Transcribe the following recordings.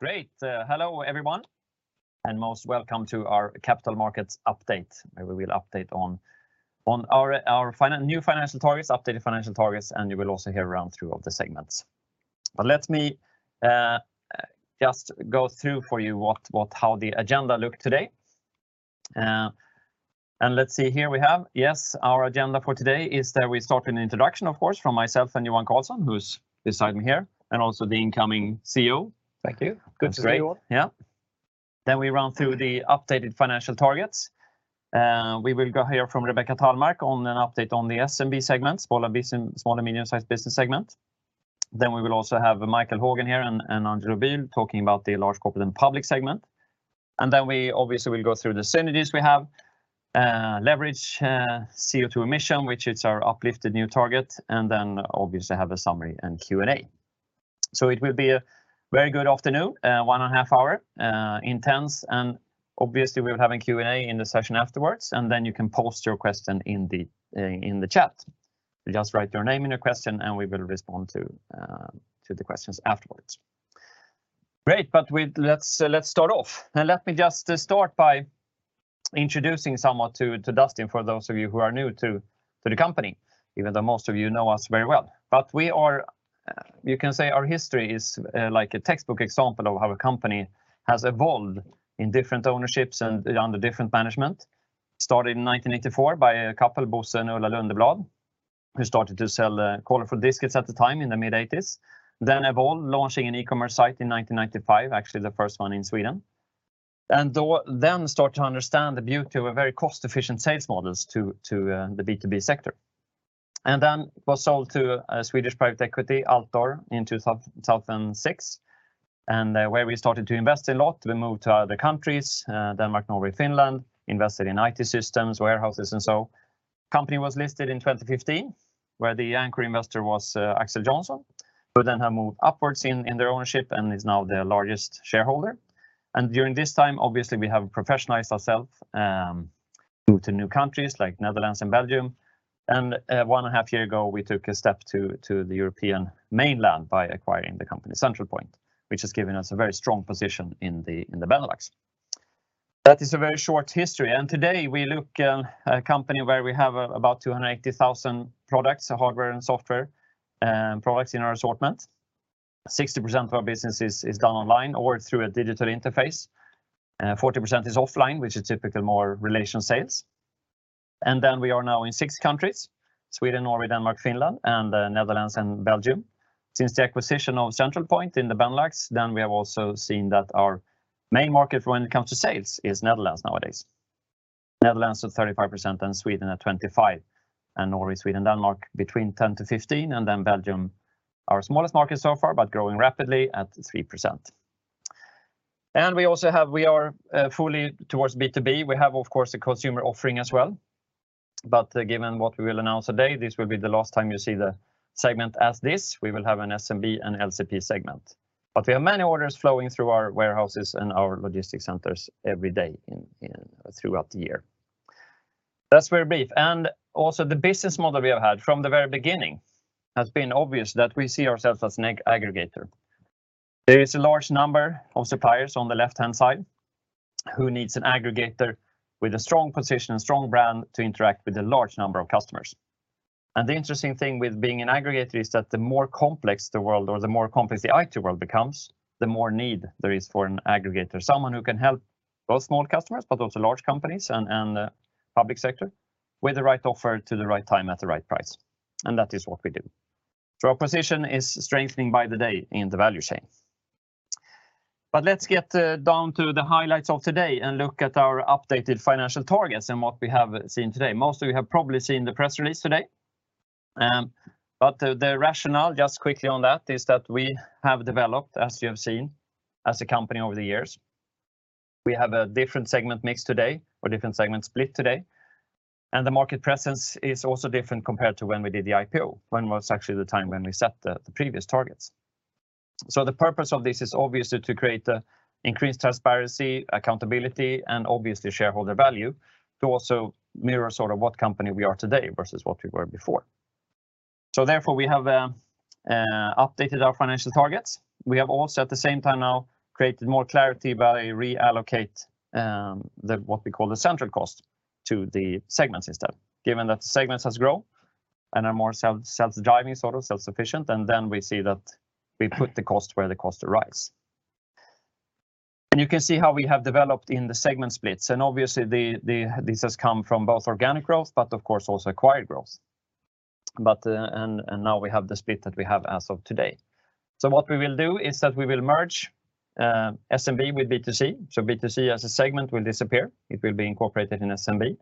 Great. Hello, everyone, and most welcome to our capital markets update, where we will update on our new financial targets, updated financial targets, and you will also hear a run-through of the segments. Let me just go through for you what, how the agenda look today. Let's see, here we have. Yes, our agenda for today is that we start with an introduction, of course, from myself and Johan Karlsson, who's beside me here, and also the incoming CEO. Thank you. Good to see you all. That's great. Yeah. We run through the updated financial targets. We will go hear from Rebecca Tallmark on an update on the SMB segment, small and medium-sized business segment. We will also have Michael Haagen here and Angelo Bul talking about the large corporate and public segment. We obviously will go through the synergies we have, leverage, CO2 emission, which is our uplifted new target, and then obviously have a summary and Q&A. It will be a very good afternoon, one and a half hour intense, and obviously we'll have a Q&A in the session afterwards. You can post your question in the chat. Just write your name and your question, and we will respond to the questions afterwards. Great, let's start off. Let me just start by introducing somewhat to Dustin, for those of you who are new to the company, even though most of you know us very well. We are, you can say our history is like a textbook example of how a company has evolved in different ownerships and under different management. Started in 1984 by a couple, Bosse and Ulla Lundevall, who started to sell colorful disks at the time in the mid-'1980s. Evolved, launching an e-commerce site in 1995, actually the first one in Sweden. Then start to understand the beauty of a very cost-efficient sales models to the B2B sector. Then was sold to a Swedish private equity, Altor, in 2006, and where we started to invest a lot. We moved to other countries, Denmark, Norway, Finland, invested in IT systems, warehouses, and so on. Company was listed in 2015, where the anchor investor was Axel Johnson, who then have moved upwards in their ownership and is now the largest shareholder. During this time, obviously, we have professionalized ourself, moved to new countries, like Netherlands and Belgium, and one and a half year ago, we took a step to the European mainland by acquiring the company Centralpoint, which has given us a very strong position in the Benelux. That is a very short history. Today we look a company where we have about 280,000 products, hardware and software products in our assortment. 60% of our business is done online or through a digital interface. 40% is offline, which is typically more relation sales. We are now in six countries, Sweden, Norway, Denmark, Finland, and Netherlands and Belgium. Since the acquisition of Centralpoint in the Benelux, we have also seen that our main market when it comes to sales is Netherlands nowadays. Netherlands at 35% and Sweden at 25%, Norway, Sweden, Denmark between 10%-15%, Belgium, our smallest market so far, but growing rapidly at 3%. We also have, we are fully towards B2B. We have, of course, a consumer offering as well, but given what we will announce today, this will be the last time you see the segment as this. We will have an SMB and LCP segment. We have many orders flowing through our warehouses and our logistic centers every day in throughout the year. That's very brief, also the business model we have had from the very beginning has been obvious that we see ourselves as an aggregator. There is a large number of suppliers on the left-hand side who needs an aggregator with a strong position, a strong brand, to interact with a large number of customers. The interesting thing with being an aggregator is that the more complex the world or the more complex the IT world becomes, the more need there is for an aggregator, someone who can help both small customers, but also large companies and the public sector, with the right offer to the right time at the right price. That is what we do. Our position is strengthening by the day in the value chain. Let's get down to the highlights of today and look at our updated financial targets and what we have seen today. Most of you have probably seen the press release today. The rationale, just quickly on that, is that we have developed, as you have seen, as a company over the years. We have a different segment mix today, or different segment split today, and the market presence is also different compared to when we did the IPO. When was actually the time when we set the previous targets. The purpose of this is obviously to create increased transparency, accountability, and obviously shareholder value, to also mirror sort of what company we are today versus what we were before. Therefore, we have updated our financial targets. We have also at the same time now created more clarity by reallocate the, what we call the central cost to the segment system, given that the segments has grown and are more self-driving, sort of self-sufficient, we see that we put the cost where the cost arise. You can see how we have developed in the segment splits, and obviously this has come from both organic growth, but of course also acquired growth. Now we have the split that we have as of today. What we will do is that we will merge SMB with B2C as a segment will disappear. It will be incorporated in SMB.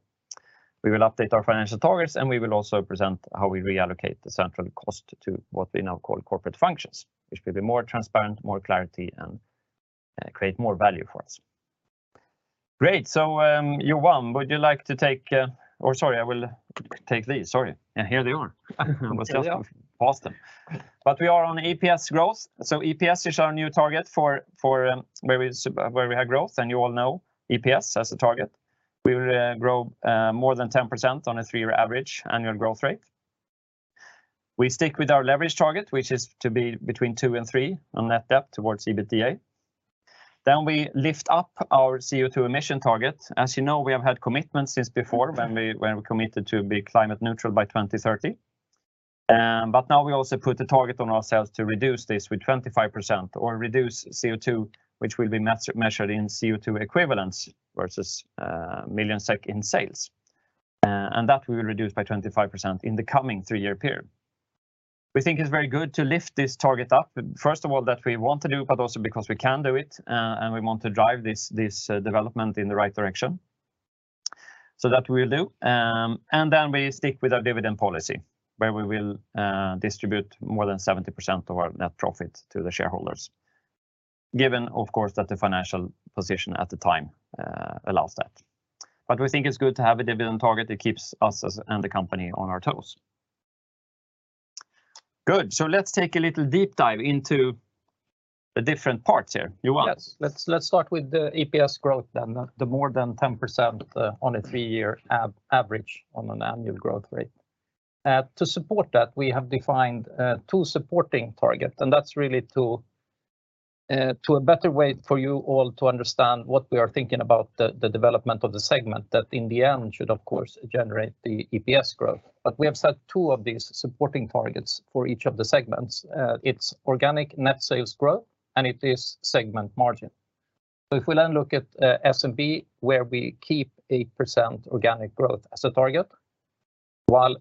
We will update our financial targets. We will also present how we reallocate the central cost to what we now call corporate functions, which will be more transparent, more clarity, and create more value for us. Great, Johan, would you like to take—or sorry, I will take these, sorry. Here they are. Here they are. I almost lost them. We are on EPS growth. EPS is our new target for where we, where we have growth, and you all know EPS as a target. We will grow more than 10% on a three-year average annual growth rate. We stick with our leverage target, which is to be between 2x and 3x on net debt towards EBITDA. We lift up our CO2 emission target. As you know, we have had commitments since before when we, when we committed to be climate neutral by 2030. Now we also put a target on ourselves to reduce this with 25% or reduce CO2, which will be measured in CO2 equivalents versus million SEK in sales. And that we will reduce by 25% in the coming three-year period. We think it's very good to lift this target up, first of all, that we want to do, but also because we can do it, and we want to drive this, development in the right direction. That we'll do. Then we stick with our dividend policy, where we will distribute more than 70% of our net profit to the shareholders, given of course, that the financial position at the time allows that. We think it's good to have a dividend target that keeps us as, and the company on our toes. Good. Let's take a little deep dive into the different parts here. Johan? Yes. Let's start with the EPS growth then, the more than 10% on a three-year average on an annual growth rate. To support that, we have defined two supporting targets, and that's really to a better way for you all to understand what we are thinking about the development of the segment that in the end should of course generate the EPS growth. We have set two of these supporting targets for each of the segments. It's organic net sales growth, and it is segment margin. If we then look at SMB where we keep 8% organic growth as a target, while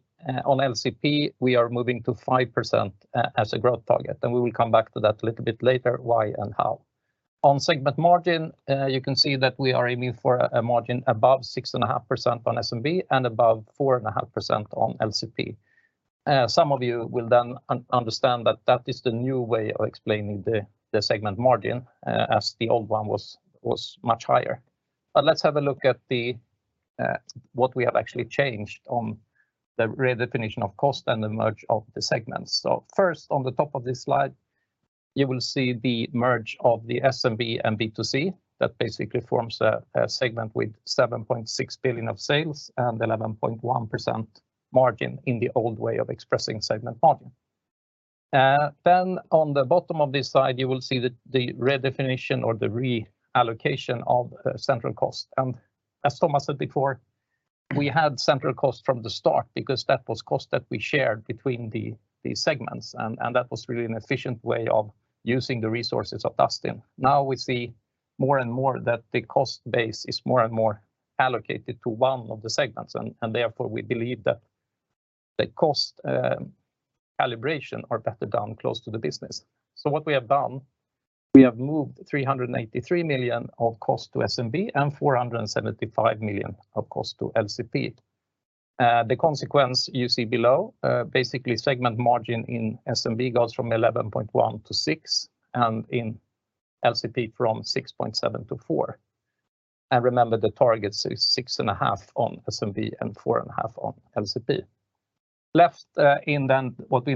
on LCP, we are moving to 5% as a growth target, and we will come back to that a little bit later, why and how. On segment margin, you can see that we are aiming for a margin above 6.5% on SMB and above 4.5% on LCP. Some of you will then understand that that is the new way of explaining the segment margin, as the old one was much higher. Let's have a look at what we have actually changed on the redefinition of cost and the merge of the segments. First, on the top of this slide, you will see the merge of the SMB and B2C that basically forms a segment with 7.6 billion of sales and 11.1% margin in the old way of expressing segment margin. On the bottom of this slide, you will see the redefinition or the reallocation of central cost. As Thomas said before, we had central cost from the start because that was cost that we shared between the segments and that was really an efficient way of using the resources of Dustin. Now we see more and more that the cost base is more and more allocated to one of the segments and therefore we believe that the cost calibration are better done close to the business. What we have done, we have moved 383 million of cost to SMB and 475 million of cost to LCP. The consequence you see below, basically segment margin in SMB goes from 11.1%-6%, and in LCP from 6.7%-4%. Remember the target is 6.5% on SMB and 4.5% on LCP. Left, in then what we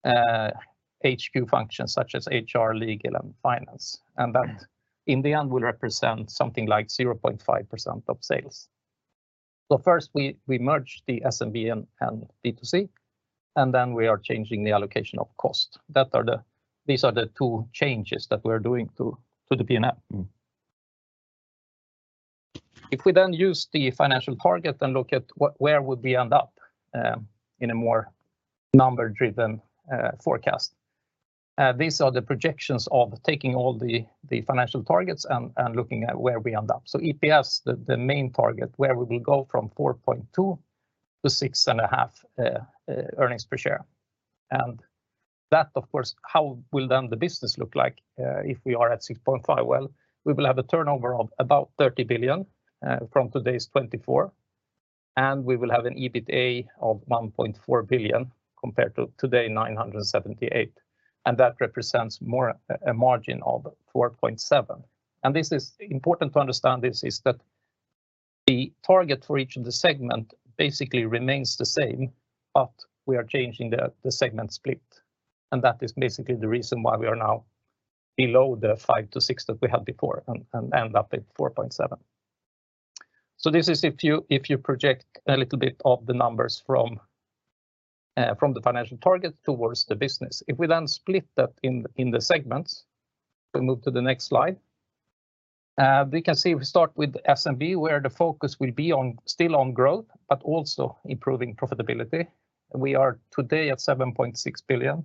now call the corporate functions are basically group management and some HQ functions such as HR, legal, and finance, and that in the end will represent something like 0.5% of sales. First we merge the SMB and B2C, and then we are changing the allocation of cost. These are the two changes that we're doing to the P&L. If we then use the financial target and look at what, where would we end up, in a more number-driven forecast, these are the projections of taking all the financial targets and looking at where we end up. EPS, the main target, where we will go from 4.2%-6.5% earnings per share. That of course, how will then the business look like, if we are at 6.5%? Well, we will have a turnover of about 30 billion from today's 24 billion, and we will have an EBITDA of 1.4 billion compared to today 978 million, and that represents more, a margin of 4.7%. This is important to understand this is that the target for each of the segment basically remains the same, but we are changing the segment split, that is basically the reason why we are now below the 5%-6% that we had before and end up at 4.7%. This is if you project a little bit of the numbers from the financial target towards the business. We then split that in the segments, we move to the next slide, we can see we start with SMB, where the focus will be on, still on growth, but also improving profitability. We are today at 7.6 billion,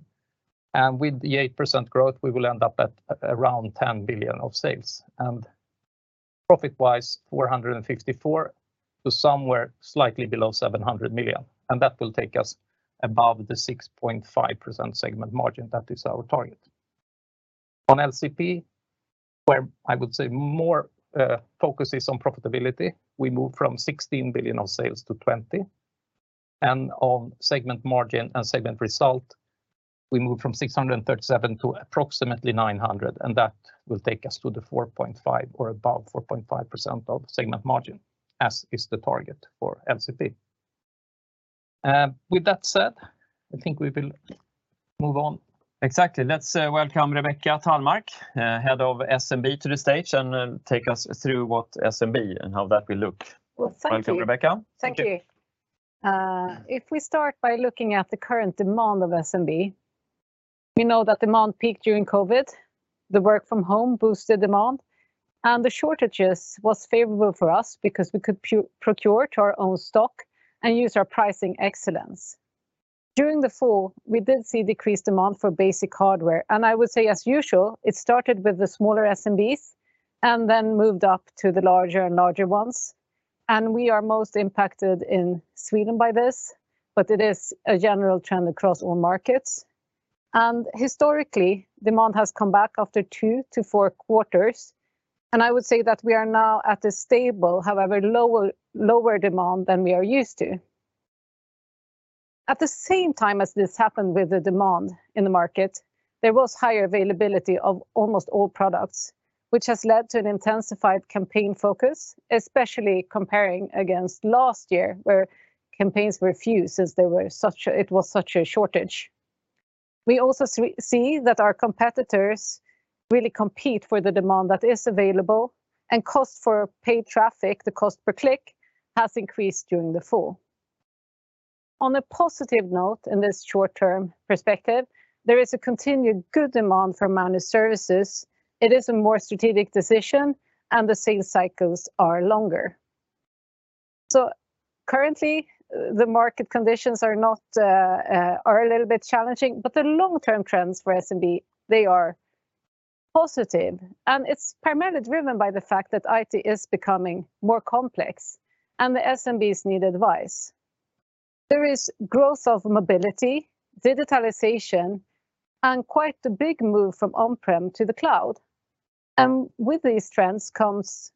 with the 8% growth, we will end up around 10 billion of sales. Profit-wise, 454 million to somewhere slightly below 700 million, and that will take us above the 6.5% segment margin. That is our target. On LCP, where I would say more, focus is on profitability, we move from 16 billion of sales to 20 billion, and on segment margin and segment result, we move from 637 million to approximately 900 million, and that will take us to the 4.5% or above 4.5% of segment margin, as is the target for LCP. With that said, I think we will move on. Exactly. Let's welcome Rebecca Tallmark, head of SMB, to the stage, and take us through what SMB and how that will look. Well, thank you. Welcome, Rebecca. Thank you. Thank you. If we start by looking at the current demand of SMB, we know that demand peaked during COVID. The work from home boosted demand, and the shortages was favorable for us because we could procure to our own stock and use our pricing excellence. During the fall, we did see decreased demand for basic hardware, and I would say, as usual, it started with the smaller SMBs and then moved up to the larger and larger ones. We are most impacted in Sweden by this, but it is a general trend across all markets. Historically, demand has come back after two to four quarters, and I would say that we are now at a stable, however lower demand than we are used to. At the same time as this happened with the demand in the market, there was higher availability of almost all products, which has led to an intensified campaign focus, especially comparing against last year, where campaigns were few since it was such a shortage. We also see that our competitors really compete for the demand that is available and cost for paid traffic, the cost per click, has increased during the fall. On a positive note in this short-term perspective, there is a continued good demand for managed services. It is a more strategic decision. The sales cycles are longer. Currently, the market conditions are a little bit challenging, but the long-term trends for SMB, they are positive, and it's primarily driven by the fact that IT is becoming more complex and the SMBs need advice. There is growth of mobility, digitalization, and quite a big move from on-prem to the cloud. With these trends comes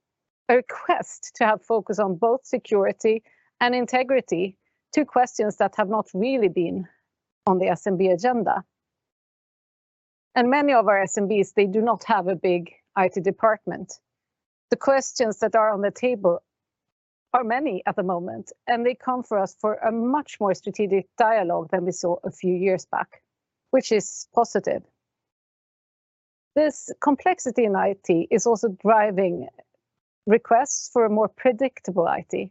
a request to have focus on both security and integrity, two questions that have not really been on the SMB agenda. Many of our SMBs, they do not have a big IT department. The questions that are on the table are many at the moment, and they come for us for a much more strategic dialogue than we saw a few years back, which is positive. This complexity in IT is also driving requests for a more predictable IT.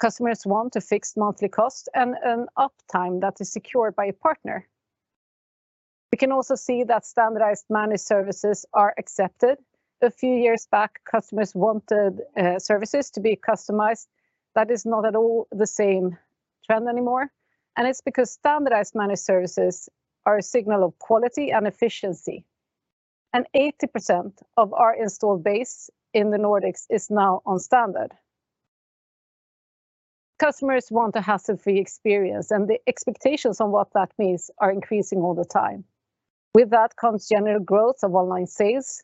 Customers want a fixed monthly cost and an uptime that is secured by a partner. We can also see that standardized managed services are accepted. A few years back, customers wanted services to be customized. That is not at all the same trend anymore. It's because standardized managed services are a signal of quality and efficiency, 80% of our installed base in the Nordics is now on standard. Customers want a hassle-free experience. The expectations on what that means are increasing all the time. With that comes general growth of online sales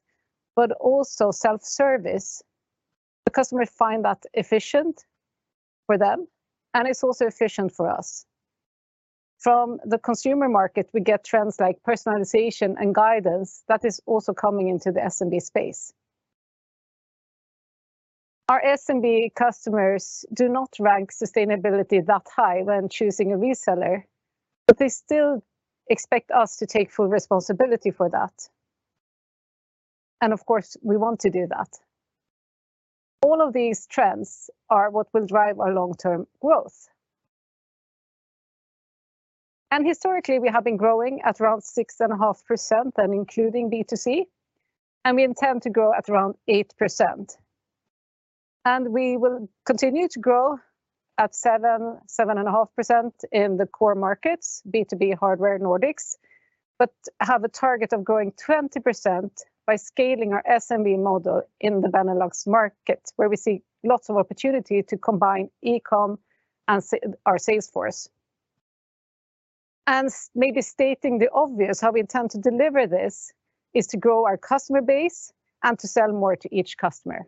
also self-service. The customers find that efficient for them. It's also efficient for us. From the consumer market, we get trends like personalization and guidance that is also coming into the SMB space. Our SMB customers do not rank sustainability that high when choosing a reseller. They still expect us to take full responsibility for that. Of course, we want to do that. All of these trends are what will drive our long-term growth. Historically, we have been growing at around 6.5%, including B2C, we intend to grow at around 8%. We will continue to grow at 7%-7.5% in the core markets, B2B hardware Nordics, but have a target of growing 20% by scaling our SMB model in the Benelux market, where we see lots of opportunity to combine e-com and our sales force. Maybe stating the obvious, how we intend to deliver this is to grow our customer base and to sell more to each customer.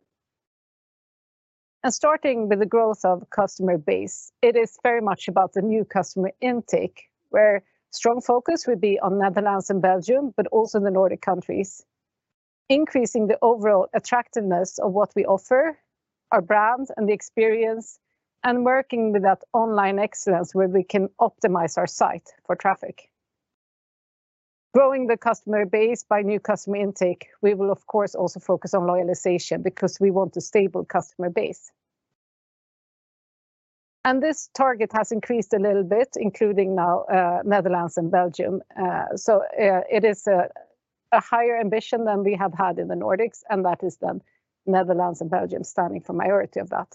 Starting with the growth of customer base, it is very much about the new customer intake, where strong focus would be on Netherlands and Belgium but also the Nordic countries, increasing the overall attractiveness of what we offer, our brand, and the experience and working with that online excellence where we can optimize our site for traffic. Growing the customer base by new customer intake, we will of course also focus on loyalization because we want a stable customer base. This target has increased a little bit, including now, Netherlands and Belgium. It is a higher ambition than we have had in the Nordics, and that is the Netherlands and Belgium standing for majority of that.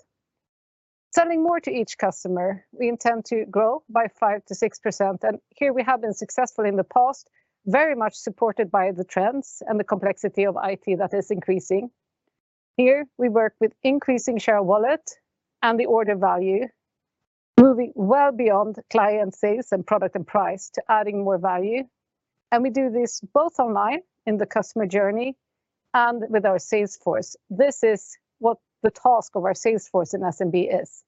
Selling more to each customer, we intend to grow by 5%-6%, and here we have been successful in the past, very much supported by the trends and the complexity of IT that is increasing. Here, we work with increasing share of wallet and the order value, moving well beyond client sales and product and price to adding more value. We do this both online in the customer journey and with our sales force. This is what the task of our sales force in SMB is.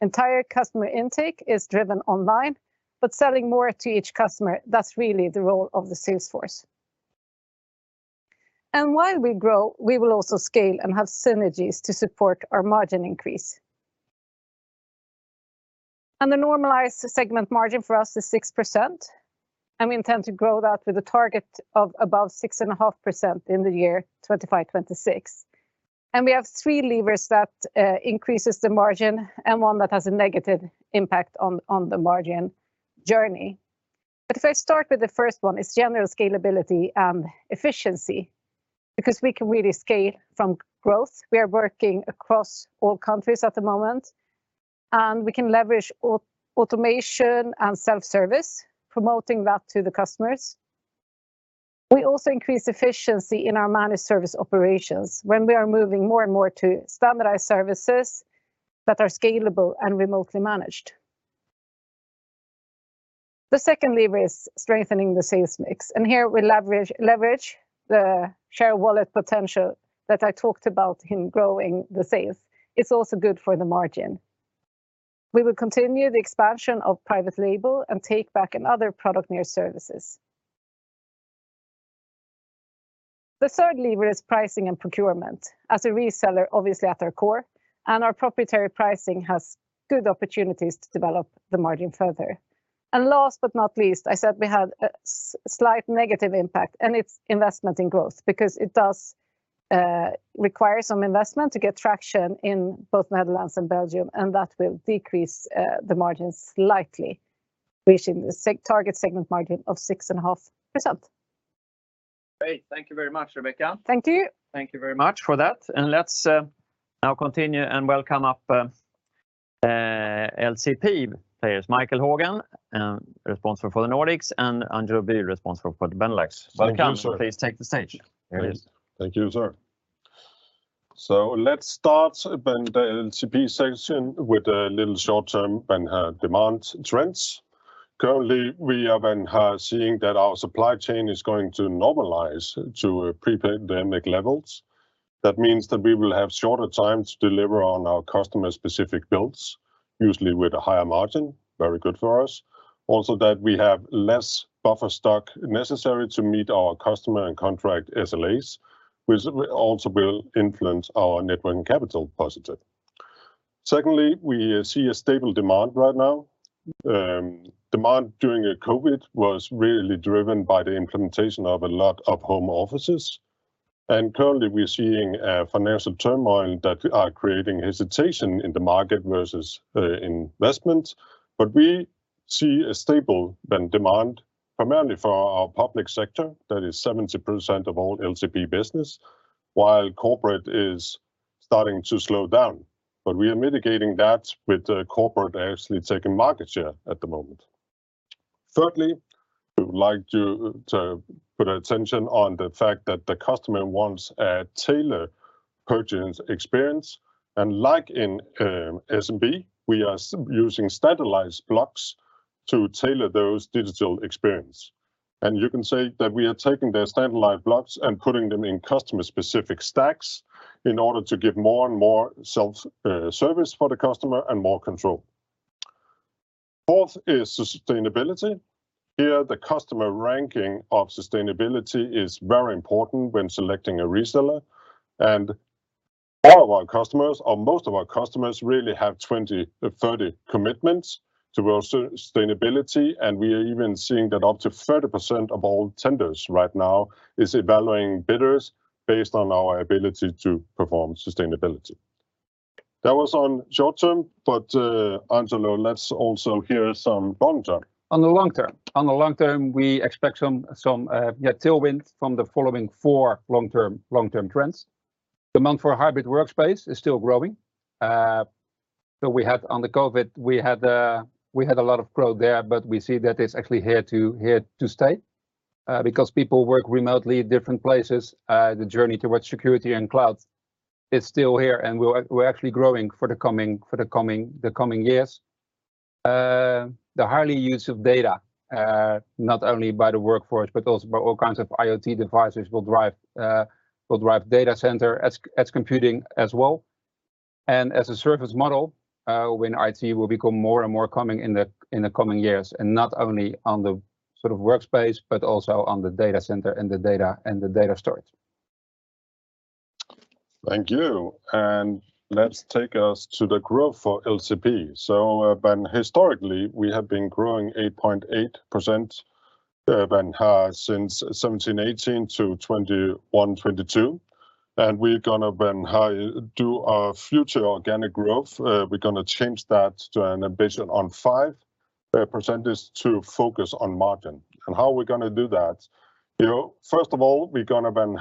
Entire customer intake is driven online, but selling more to each customer, that's really the role of the sales force. While we grow, we will also scale and have synergies to support our margin increase. The normalized segment margin for us is 6%, and we intend to grow that with a target of above 6.5% in the year 2025, 2026. We have three levers that increases the margin and one that has a negative impact on the margin journey. If I start with the first one, it's general scalability and efficiency. We can really scale from growth, we are working across all countries at the moment, and we can leverage automation and self-service, promoting that to the customers. We also increase efficiency in our managed services operations when we are moving more and more to standardized services that are scalable and remotely managed. The second lever is strengthening the sales mix, and here we leverage the share of wallet potential that I talked about in growing the sales. It's also good for the margin. We will continue the expansion of private label and take-back in other product near services. The third lever is pricing and procurement. As a reseller, obviously at our core, and our proprietary pricing has good opportunities to develop the margin further. Last but not least, I said we had a slight negative impact, and it's investment in growth because it does require some investment to get traction in both Netherlands and Belgium, and that will decrease the margin slightly, reaching the target segment margin of 6.5%. Great. Thank you very much, Rebecca. Thank you. Thank you very much for that. Let's now continue and welcome up LCP players Michael Haagen, responsible for the Nordics, and Angelo Bul, responsible for the Benelux. Thank you, sir. Welcome. Please take the stage. Here it is. Thank you. Thank you, sir. Let's start the LCP section with a little short-term and demand trends. Currently, we have been seeing that our supply chain is going to normalize to pre-pandemic levels. That means that we will have shorter time to deliver on our customer-specific builds, usually with a higher margin, very good for us. Also, that we have less buffer stock necessary to meet our customer and contract SLAs, which also will influence our net working capital positive. Secondly, we see a stable demand right now. Demand during COVID was really driven by the implementation of a lot of home offices. Currently we're seeing a financial turmoil that are creating hesitation in the market versus investment. We see a stable demand, primarily for our public sector. That is 70% of all LCP business, while corporate is starting to slow down. We are mitigating that with the corporate actually taking market share at the moment. Thirdly, we would like to put attention on the fact that the customer wants a tailored purchase experience. Like in SMB, we are using standardized blocks to tailor those digital experience. You can say that we are taking their standardized blocks and putting them in customer-specific stacks in order to give more and more self service for the customer and more control. Fourth is sustainability. Here, the customer ranking of sustainability is very important when selecting a reseller. All of our customers, or most of our customers, really have 20 to 30 commitments towards sustainability, and we are even seeing that up to 30% of all tenders right now is evaluating bidders based on our ability to perform sustainability. That was on short-term, Angelo, let's also hear some long-term. On the long term. On the long term, we expect some, yeah, tailwind from the following four long-term trends. Demand for hybrid workspace is still growing. We had on the COVID, we had a lot of growth there, but we see that it's actually here to stay because people work remotely, different places. The journey towards security and cloud is still here, and we're actually growing for the coming years. The higher use of data, not only by the workforce, but also by all kinds of IoT devices will drive data center as computing as well. As-a-service model, when IT will become more and more common in the coming years, and not only on the sort of workspace but also on the data center and the data storage. Thank you. Let's take us to the growth for LCP. Historically, we have been growing 8.8% since 2017, 2018 to 2021, 2022. We're gonna then do our future organic growth. We're gonna change that to an ambition on 5% to focus on margin. How are we gonna do that? You know, first of all, we're gonna then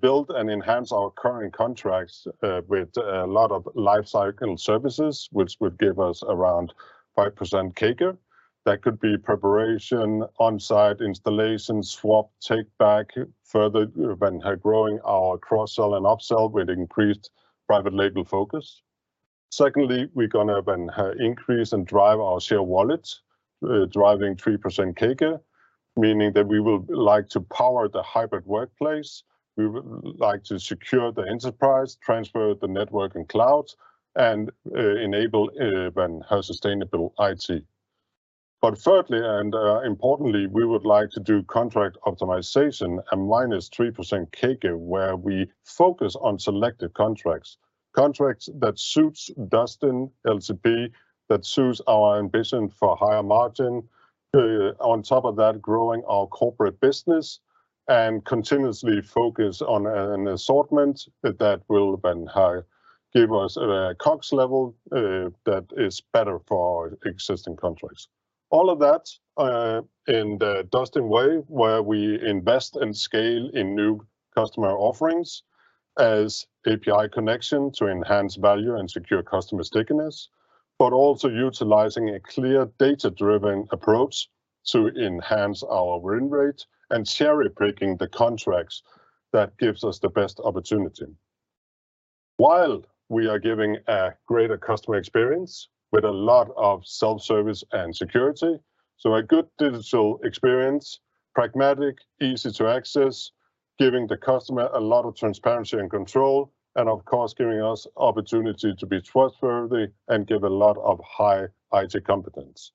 build and enhance our current contracts with a lot of lifecycle services, which would give us around 5% CAGR. That could be preparation, on-site installations, swap, take-back, further when growing our cross-sell and up-sell with increased private label focus. Secondly, we're gonna then increase and drive our share of wallet, driving 3% CAGR, meaning that we would like to power the hybrid workplace. We would like to secure the enterprise, transfer the network and cloud, and enable when sustainable IT. Thirdly, and importantly, we would like to do contract optimization and -3% CapEx where we focus on selective contracts. Contracts that suits Dustin LCP, that suits our ambition for higher margin. On top of that, growing our corporate business and continuously focus on an assortment that will then give us a COGS level that is better for existing contracts. All of that in the Dustin way, where we invest and scale in new customer offerings as API connection to enhance value and secure customer stickiness, but also utilizing a clear data-driven approach to enhance our win rate and cherry-picking the contracts that gives us the best opportunity. While we are giving a greater customer experience with a lot of self-service and security, so a good digital experience, pragmatic, easy to access, giving the customer a lot of transparency and control and of course giving us opportunity to be trustworthy and give a lot of high IT competence.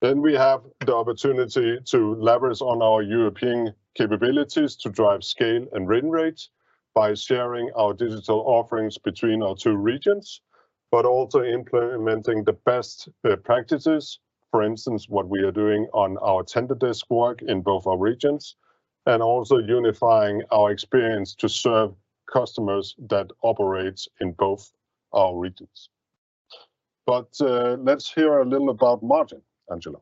Then we have the opportunity to leverage on our European capabilities to drive scale and win rates by sharing our digital offerings between our two regions, but also implementing the best practices. For instance, what we are doing on our tender desk work in both our regions and also unifying our experience to serve customers that operates in both our regions. Let's hear a little about margin, Angelo.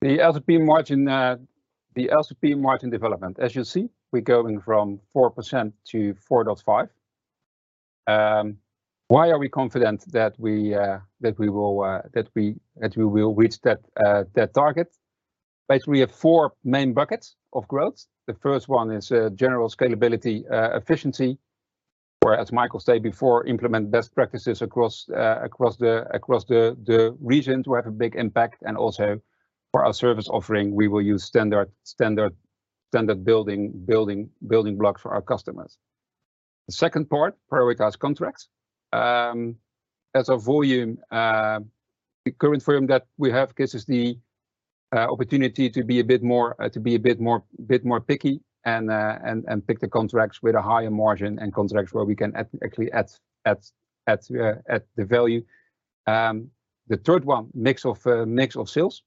The LCP margin, the LCP margin development. As you see, we're going from 4%-4.5%. Why are we confident that we will reach that target? Basically we have four main buckets of growth. The first one is general scalability, efficiency, where, as Michael said before, implement best practices across the region to have a big impact and also for our service offering we will use standard building blocks for our customers. The second part, prioritized contracts. Um, as a volume, uh, the current volume that we have gives us the, uh, opportunity to be a bit more, uh, to be a bit more, bit more picky and, uh, and, and pick the contracts with a higher margin and contracts where we can actually add, add, add, uh, add the value. Um, the third one, mix of, uh, mix of sales.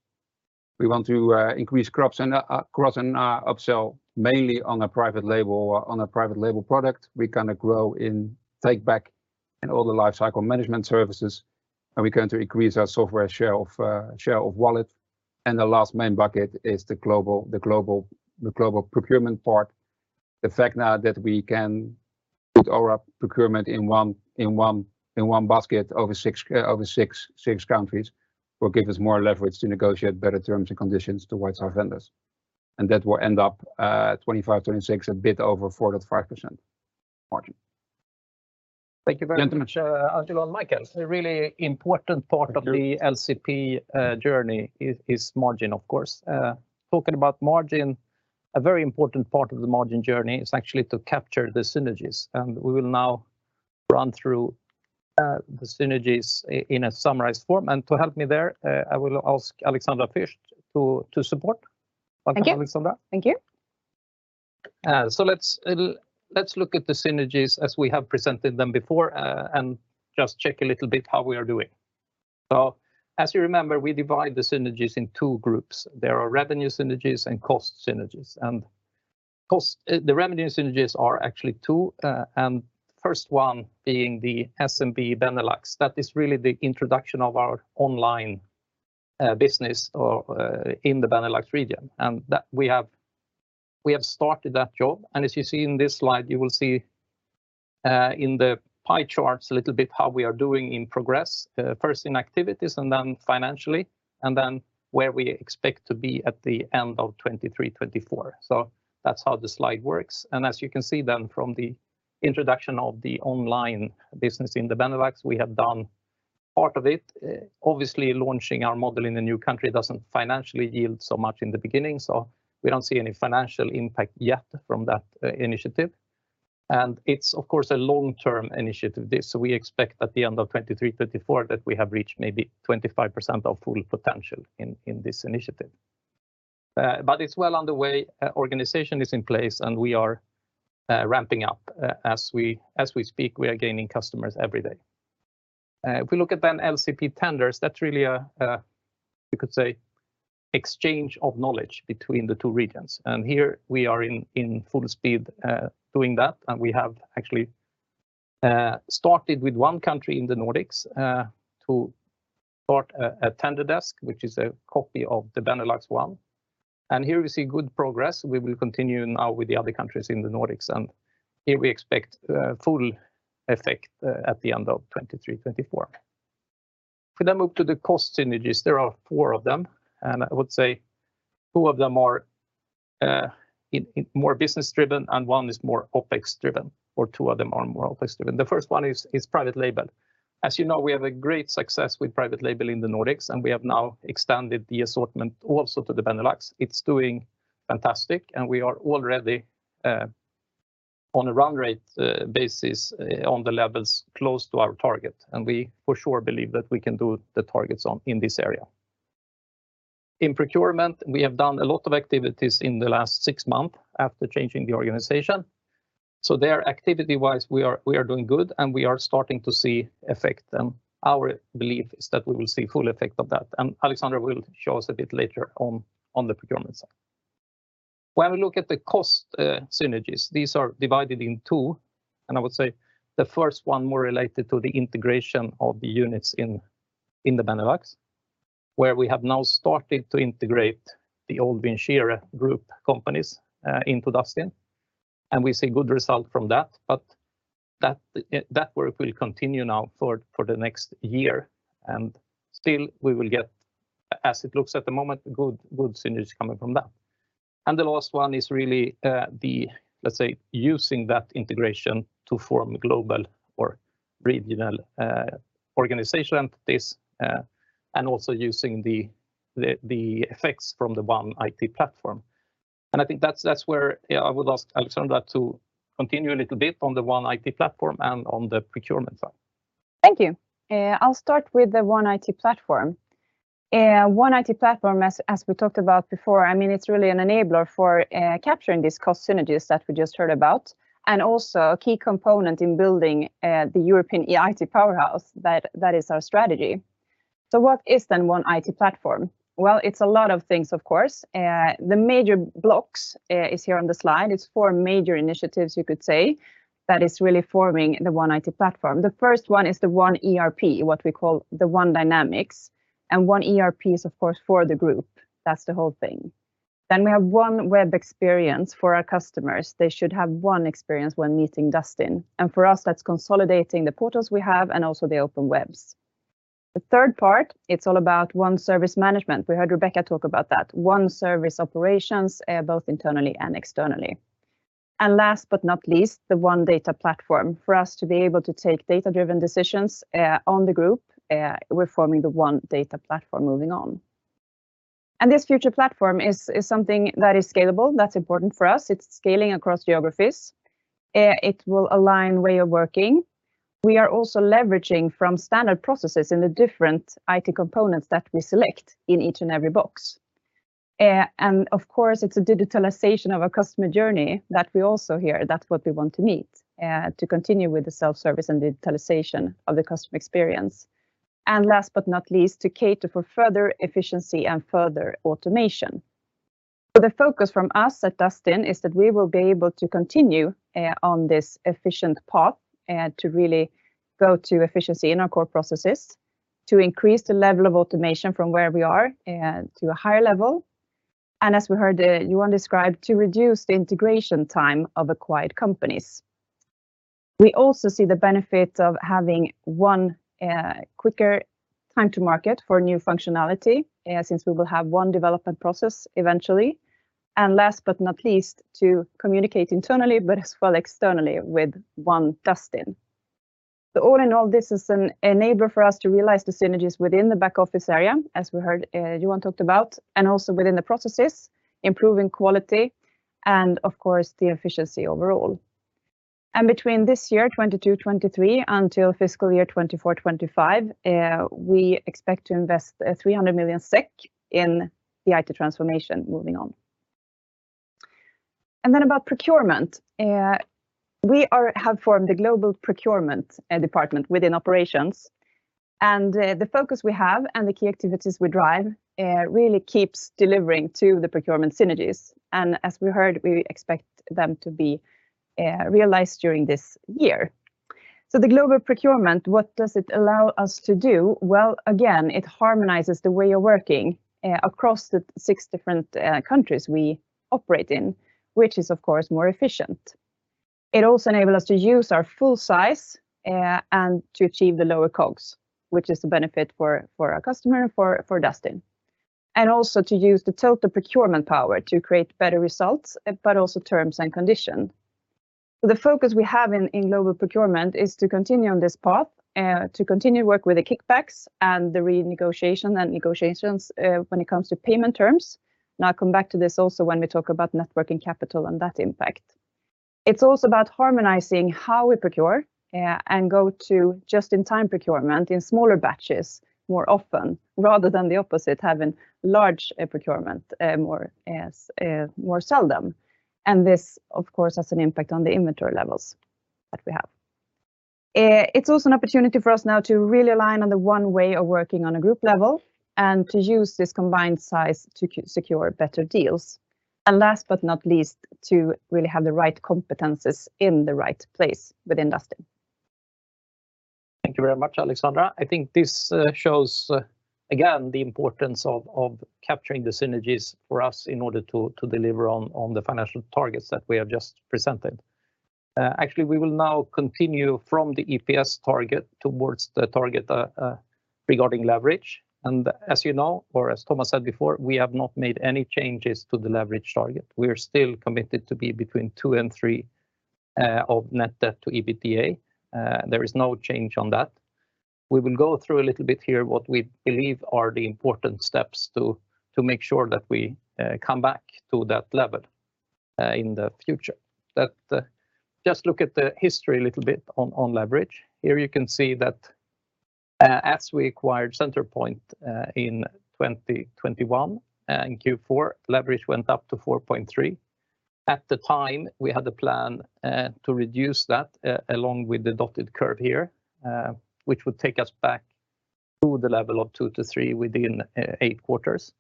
We want to, uh, increase cross and, uh, cross and, uh, upsell mainly on a private label or on a private label product. We kinda grow in take back and all the life cycle management services, and we're going to increase our software share of, uh, share of wallet. And the last main bucket is the global, the global, the global procurement part. The fact now that we can put our procurement in one basket over six countries will give us more leverage to negotiate better terms and conditions towards our vendors. That will end up 2025, 2026, a bit over 4%-5% margin. Thank you very much— Thank you very much. —Angelo and Michael. Really important part of the LCP journey is margin, of course. Talking about margin, a very important part of the margin journey is actually to capture the synergies and we will now run through the synergies in a summarized form. To help me there, I will ask Alexandra Fürst to support. Welcome, Alexandra. Thank you. Let's look at the synergies as we have presented them before and just check a little bit how we are doing. As you remember, we divide the synergies in two groups. There are revenue synergies and cost synergies. The revenue synergies are actually two and first one being the SMB Benelux. That is really the introduction of our online business or in the Benelux region and that we have started that job. As you see in this slide, you will see in the pie charts a little bit how we are doing in progress, first in activities and then financially and then where we expect to be at the end of 2023, 2024. That's how the slide works. As you can see then from the introduction of the online business in the Benelux, we have done part of it. Obviously launching our model in the new country doesn't financially yield so much in the beginning, so we don't see any financial impact yet from that initiative. It's of course a long-term initiative, this. We expect at the end of 2023, 2024 that we have reached maybe 25% of full potential in this initiative. But it's well on the way. Organization is in place and we are ramping up. As we speak, we are gaining customers every day. If we look at LCP tenders, that's really an exchange of knowledge between the two regions and here we are in full speed doing that and we have actually started with one country in the Nordics to start a tender desk which is a copy of the Benelux one and here we see good progress. We will continue now with the other countries in the Nordics and here we expect full effect at the end of 2023, 2024. We then move to the cost synergies. There are four of them and I would say two of them are in more business-driven and one is more OpEx-driven or two of them are more OpEx-driven. The first one is private label As you know, we have a great success with private label in the Nordics and we have now extended the assortment also to the Benelux. It's doing fantastic and we are already on a run rate basis on the levels close to our target, and we for sure believe that we can do the targets on, in this area. In procurement, we have done a lot of activities in the last six months after changing the organization. There activity-wise, we are doing good, and we are starting to see effect, and our belief is that we will see full effect of that, and Alexandra will show us a bit later on the procurement side. When we look at the cost synergies, these are divided in two. I would say the first one more related to the integration of the units in the Benelux, where we have now started to integrate the old Vincere Groep companies into Dustin. We see good result from that. That work will continue now for the next year. Still we will get, as it looks at the moment, good synergies coming from that. The last one is really the, let's say, using that integration to form global or regional organization, and also using the effects from the one IT platform. I think that's where, yeah, I would ask Alexandra to continue a little bit on the one IT platform and on the procurement side. Thank you. I'll start with the one IT platform. one IT platform as we talked about before, I mean, it's really an enabler for capturing these cost synergies that we just heard about, and also a key component in building the European IT powerhouse that is our strategy. What is then one IT platform? Well, it's a lot of things, of course. The major blocks is here on the slide. It's four major initiatives you could say that is really forming the one IT platform. The first one is the one ERP, what we call the One Dynamics, and one ERP is of course, for the group. That's the whole thing. We have one web experience for our customers. They should have one experience when meeting Dustin, and for us that's consolidating the portals we have and also the open webs. The third part, it's all about one service management. We heard Rebecca talk about that. One service operations, both internally and externally. Last but not least, the one data platform for us to be able to take data-driven decisions on the group, we're forming the one data platform moving on. This future platform is something that is scalable, that's important for us. It's scaling across geographies. It will align way of working. We are also leveraging from standard processes in the different IT components that we select in each and every box. And of course, it's a digitalization of our customer journey that we also hear. That's what we want to meet, to continue with the self-service and digitalization of the customer experience. Last but not least, to cater for further efficiency and further automation. The focus from us at Dustin is that we will be able to continue on this efficient path, to really go to efficiency in our core processes to increase the level of automation from where we are, to a higher level. As we heard, Johan describe, to reduce the integration time of acquired companies. We also see the benefit of having one quicker time to market for new functionality, since we will have one development process eventually. Last but not least, to communicate internally, but as well externally with one Dustin. All in all, this is an enabler for us to realize the synergies within the back office area, as we heard, Johan talked about, and also within the processes, improving quality, and of course the efficiency overall. Between this year, 2022, 2023, until fiscal year 2024, 2025, we expect to invest 300 million SEK in the IT transformation moving on. About procurement, we have formed a global procurement department within operations, and the focus we have and the key activities we drive really keeps delivering to the procurement synergies. As we heard, we expect them to be realized during this year. The global procurement, what does it allow us to do? Well, again, it harmonizes the way you're working across the six different countries we operate in, which is of course more efficient. It also enable us to use our full size and to achieve the lower costs, which is the benefit for our customer, for Dustin. Also to use the total procurement power to create better results, but also terms and condition. The focus we have in global procurement is to continue on this path, to continue work with the kickbacks and the renegotiation and negotiations when it comes to payment terms. I'll come back to this also when we talk about net working capital and that impact. It's also about harmonizing how we procure and go to just-in-time procurement in smaller batches more often, rather than the opposite, having large procurement more seldom. This, of course, has an impact on the inventory levels that we have. It's also an opportunity for us now to really align on the one way of working on a group level and to use this combined size to secure better deals. Last but not least, to really have the right competencies in the right place within Dustin. Thank you very much, Alexandra Fürst. I think this shows, again, the importance of capturing the synergies for us in order to deliver on the financial targets that we have just presented. Actually, we will now continue from the EPS target towards the target regarding leverage. As you know, or as Thomas said before, we have not made any changes to the leverage target. We are still committed to be between 2x and 3x of net debt to EBITDA. There is no change on that. We will go through a little bit here what we believe are the important steps to make sure that we come back to that level in the future. Just look at the history a little bit on leverage. Here you can see that, as we acquired Centralpoint, in 2021, in Q4, leverage went up to 4.3x. At the time, we had a plan to reduce that along with the dotted curve here, which would take us back to the level of two to three within eight quarters.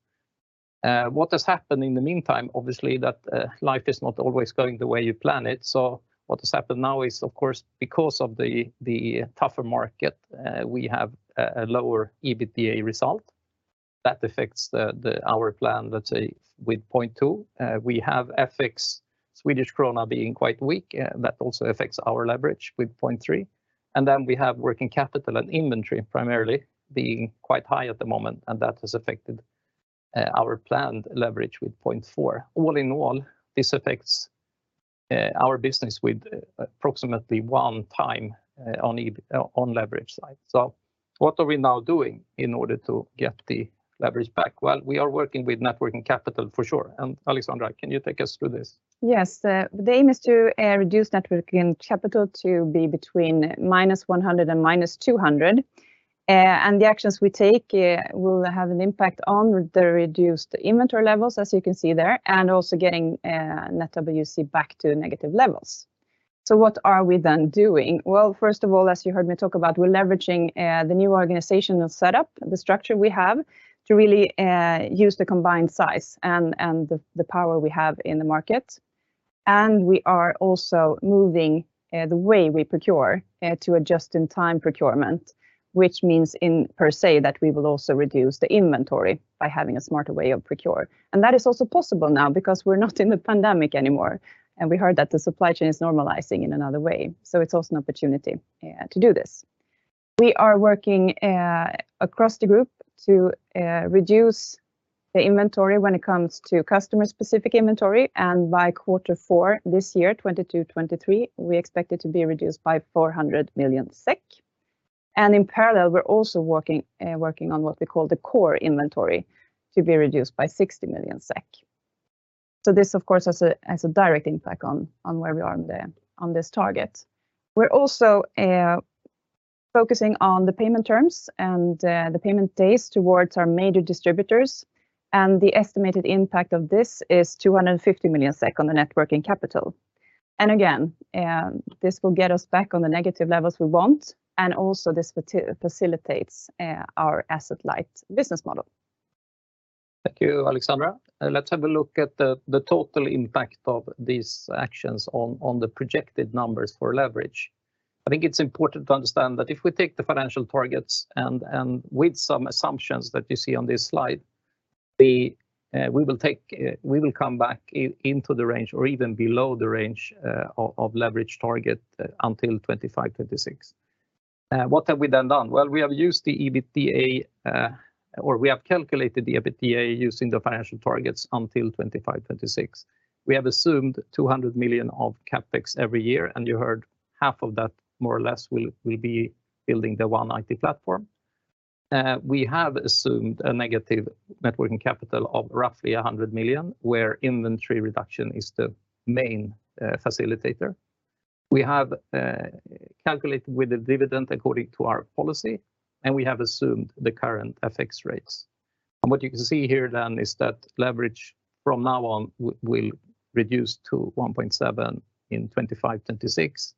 What has happened in the meantime, obviously, that life is not always going the way you plan it. What has happened now is, of course, because of the tougher market, we have a lower EBITA result. That affects our plan, let's say with 0.2x. We have FX Swedish krona being quite weak. That also affects our leverage with 0.3x. We have working capital and inventory primarily being quite high at the moment, that has affected our planned leverage with 0.4x. This affects our business with approximately 1x on leverage side. What are we now doing in order to get the leverage back? We are working with net working capital for sure, Alexandra, can you take us through this? Yes. The aim is to reduce net working capital to be between -100 and -200. The actions we take will have an impact on the reduced inventory levels, as you can see there, and also getting net WC back to negative levels. What are we then doing? Well, first of all, as you heard me talk about, we're leveraging the new organizational setup, the structure we have to really use the combined size and the power we have in the market. We are also moving the way we procure to just in time procurement, which means in per se that we will also reduce the inventory by having a smarter way of procure. That is also possible now because we're not in the pandemic anymore, and we heard that the supply chain is normalizing in another way. It's also an opportunity to do this. We are working across the Group to reduce the inventory when it comes to customer specific inventory. By quarter four this year, 2022, 2023, we expect it to be reduced by 400 million SEK. In parallel, we're also working on what we call the core inventory to be reduced by 60 million SEK. This, of course, has a direct impact on where we are on this target. We're also focusing on the payment terms and the payment days towards our major distributors. The estimated impact of this is 250 million SEK on the net working capital. Again, this will get us back on the negative levels we want, and also this facilitates our asset-light business model. Thank you, Alexandra. Let's have a look at the total impact of these actions on the projected numbers for leverage. I think it's important to understand that if we take the financial targets and with some assumptions that you see on this slide, we will come back into the range or even below the range of leverage target until 2025, 2026. What have we done? Well, we have used the EBITA or we have calculated the EBITA using the financial targets until 2025, 2026. We have assumed 200 million of CapEx every year, and you heard half of that more or less will be building the One IT platform. We have assumed a negative net working capital of roughly 100 million, where inventory reduction is the main facilitator. We have calculated with the dividend according to our policy, and we have assumed the current FX rates. What you can see here then is that leverage from now on will reduce to 1.7x in 2025, 2026,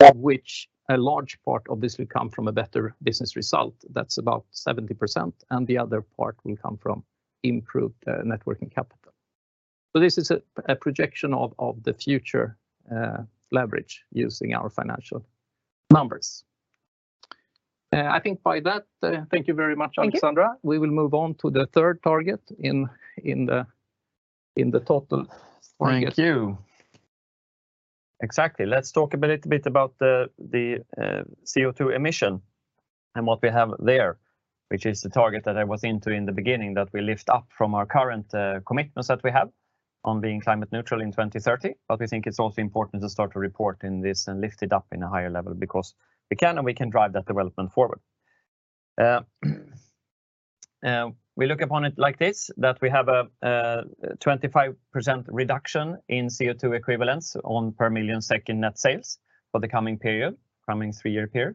of which a large part of this will come from a better business result that's about 70%, and the other part will come from improved net working capital. This is a projection of the future leverage using our financial numbers. I think by that, thank you very much, Alexandra. Thank you. We will move on to the third target in the total target. Thank you. Exactly. Let's talk a little bit about the CO2 emission and what we have there, which is the target that I was into in the beginning, that we lift up from our current commitments that we have on being climate neutral in 2030. We think it's also important to start to report in this and lift it up in a higher level because we can, and we can drive that development forward. We look upon it like this, that we have a 25% reduction in CO2 equivalents on per 1 million net sales for the coming period, coming three-year period.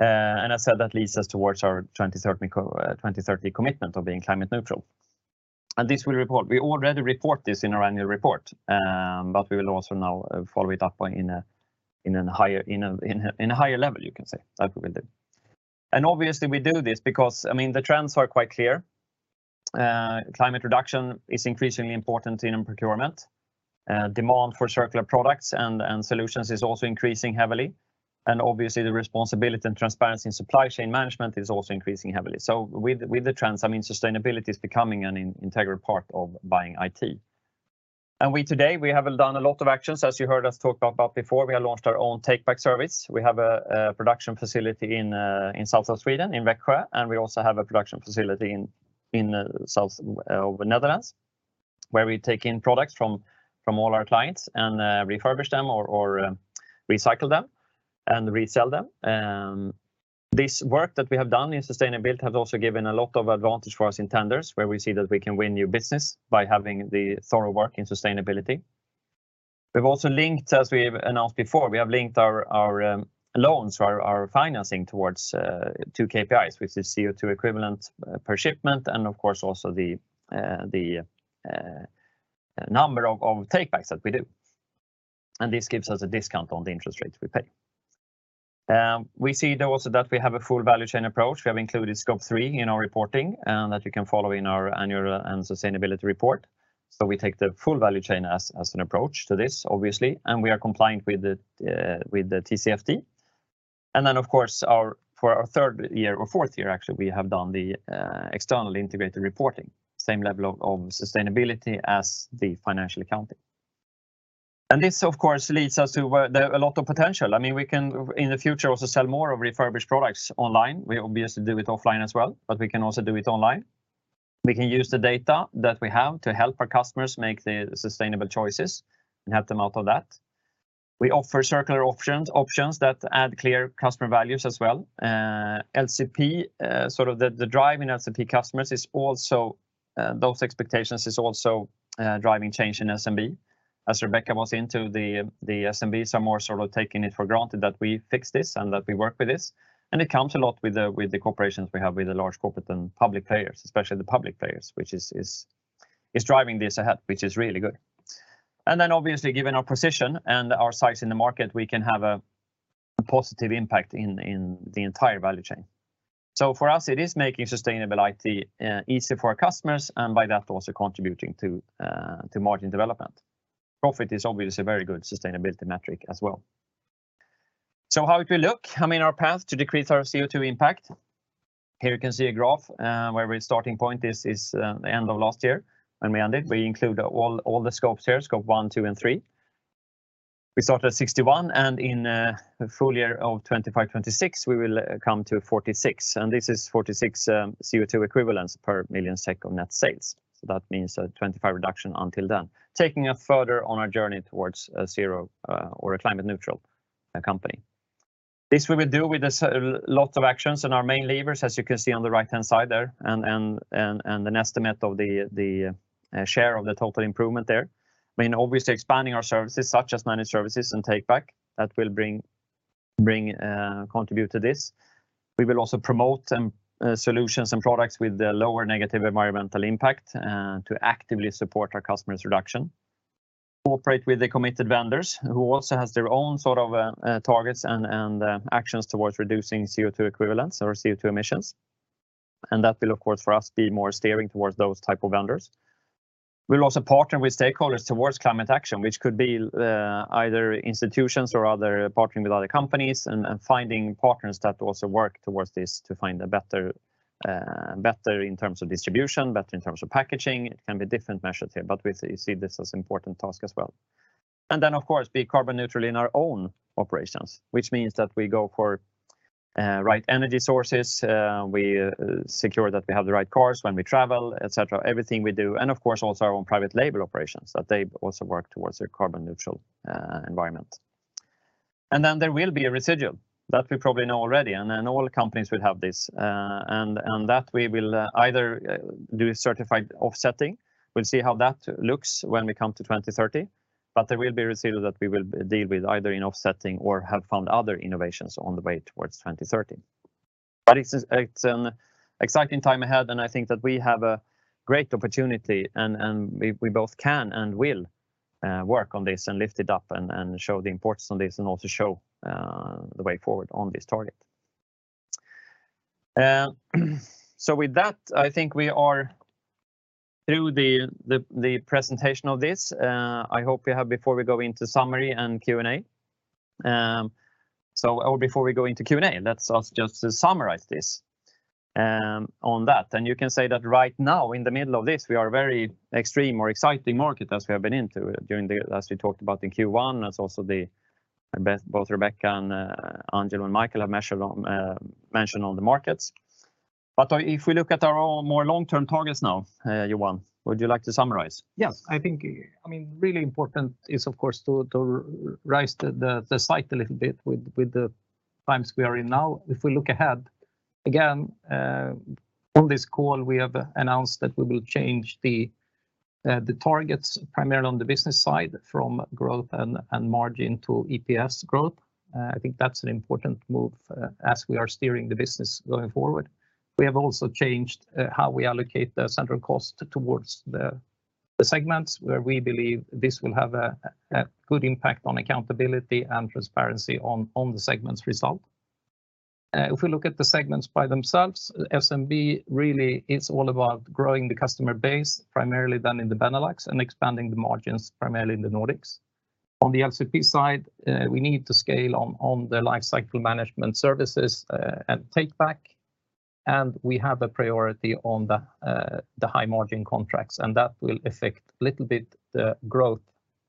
I said that leads us towards our 2030 commitment of being climate neutral. This we report. We already report this in our annual report. We will also now follow it up by in a higher level, you can say, that we will do. Obviously we do this because, I mean, the trends are quite clear. Climate reduction is increasingly important in procurement. Demand for circular products and solutions is also increasing heavily. Obviously the responsibility and transparency in supply chain management is also increasing heavily. With the trends, I mean, sustainability is becoming an integral part of buying IT. We today, we have done a lot of actions, as you heard us talk about before. We have launched our own take-back service. We have a production facility in south of Sweden, in Växjö, and we also have a production facility in south of Netherlands. Where we take in products from all our clients and refurbish them or recycle them and resell them. This work that we have done in sustainability has also given a lot of advantage for us in tenders where we see that we can win new business by having the thorough work in sustainability. We've also linked, as we've announced before, we have linked our loans, our financing towards two KPIs, which is CO2 equivalent per shipment, and of course also the number of take-backs that we do. This gives us a discount on the interest rate we pay. We see though also that we have a full value chain approach. We have included Scope 3 in our reporting that you can follow in our annual and sustainability report. We take the full value chain as an approach to this, obviously, and we are compliant with the TCFD. Of course, for our third year or fourth year actually, we have done the external integrated reporting. Same level of sustainability as the financial accounting. This of course leads us to where there a lot of potential. I mean, we can in the future also sell more of refurbished products online. We obviously do it offline as well, but we can also do it online. We can use the data that we have to help our customers make the sustainable choices and help them out of that. We offer circular options that add clear customer values as well. LCP, sort of the drive in LCP customers is also, those expectations is also, driving change in SMB. As Rebecca was into the SMBs are more sort of taking it for granted that we fix this and that we work with this and it counts a lot with the, with the corporations we have with the large corporate and public players, especially the public players, which is driving this ahead, which is really good. Obviously, given our position and our size in the market, we can have a positive impact in the entire value chain. For us, it is making sustainable IT, easy for our customers, and by that, also contributing to margin development. Profit is obviously a very good sustainability metric as well. How it will look, I mean, our path to decrease our CO2 impact. Here you can see a graph, where we're starting point is the end of last year when we ended. We include all the scopes here, Scope 1, 2, and 3. We start at 61, and in full year of 2025, 2026, we will come to 46, and this is 46 CO2 equivalents per million SEK of net sales. That means a 25% reduction until then, taking us further on our journey towards a zero, or a climate neutral company. This we will do with a lot of actions and our main levers, as you can see on the right-hand side there and an estimate of the share of the total improvement there. I mean, obviously expanding our services such as managed services and take-back, that will bring contribute to this. We will also promote solutions and products with the lower negative environmental impact to actively support our customers' reduction. Cooperate with the committed vendors who also has their own sort of targets and actions towards reducing CO2 equivalents or CO2 emissions. That will of course for us be more steering towards those type of vendors. We'll also partner with stakeholders towards climate action, which could be either institutions or other partnering with other companies and finding partners that also work towards this to find a better in terms of distribution, better in terms of packaging. It can be different measures here. We see this as important task as well. Of course, be carbon neutral in our own operations, which means that we go for right energy sources, we secure that we have the right cars when we travel, et cetera, everything we do. Of course, also our own private label operations, that they also work towards their carbon neutral environment. There will be a residual that we probably know already, and then all companies will have this. That we will either do a certified offsetting. We'll see how that looks when we come to 2030. There will be residual that we will deal with either in offsetting or have found other innovations on the way towards 2030. It's an exciting time ahead, and I think that we have a great opportunity and we both can and will work on this and lift it up and show the importance on this and also show the way forward on this target. With that, I think we are through the presentation of this. I hope we have before we go into summary and Q&A. Let's us just summarize this on that. You can say that right now in the middle of this, we are very extreme or exciting market as we have been into during the, as we talked about in Q1, as also the, both Rebecca and Angelo and Michael have mentioned on the markets. If we look at our own more long-term targets now, Johan, would you like to summarize? Yes. I think, I mean, really important is of course to raise the sight a little bit with the times we are in now. If we look ahead, again, on this call we have announced that we will change the targets primarily on the business side from growth and margin to EPS growth. I think that's an important move as we are steering the business going forward. We have also changed how we allocate the central cost towards the segments where we believe this will have a good impact on accountability and transparency on the segment's result. If we look at the segments by themselves, SMB really is all about growing the customer base primarily than in the Benelux and expanding the margins primarily in the Nordics. On the LCP side, we need to scale on the lifecycle management services, and take-back, and we have a priority on the high-margin contracts, and that will affect little bit the growth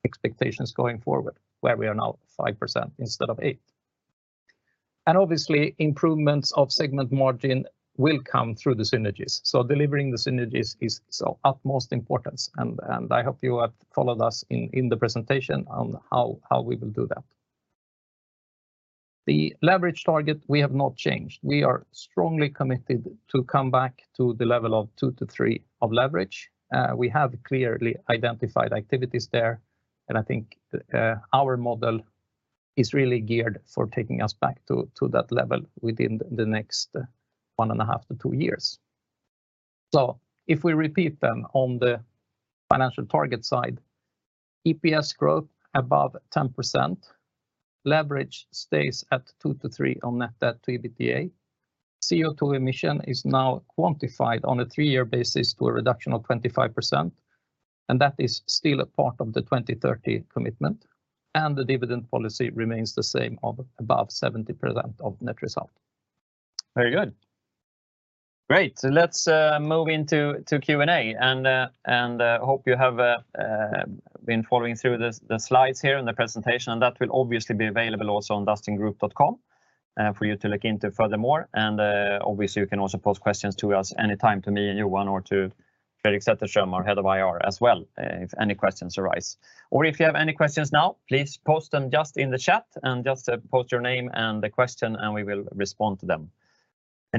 expectations going forward, where we are now 5% instead of 8%. Obviously improvements of segment margin will come through the synergies. Delivering the synergies is so utmost importance and I hope you have followed us in the presentation on how we will do that. The leverage target we have not changed. We are strongly committed to come back to the level of 2x-3x of leverage. We have clearly identified activities there, and I think our model is really geared for taking us back to that level within the next one and a half to two years. If we repeat on the financial target side, EPS growth above 10%, leverage stays at 2x-3x on net debt to EBITDA. CO2 emission is now quantified on a three-year basis to a reduction of 25%, and that is still a part of the 2030 commitment, and the dividend policy remains the same of above 70% of net result. Very good. Great. Let's move into Q&A and hope you have been following through the slides here and the presentation. That will obviously be available also on dustingroup.com for you to look into furthermore. Obviously you can also pose questions to us anytime, to me and Johan, or to Fredrik Zetterström, our Head of IR as well, if any questions arise. If you have any questions now, please post them just in the chat and just post your name and the question, and we will respond to them.